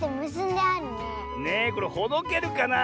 ねえこれほどけるかなあ。